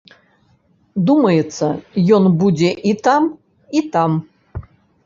Думаецца, ён будзе і там, і там.